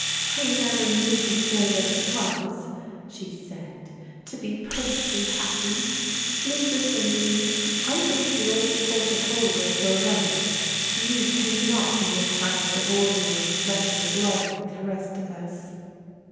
"I never knew before what it was," she said, "to be perfectly happy. Mistress Aline, I think the old folk at Holwick were right. You cannot be a child of ordinary flesh and blood like the rest of us."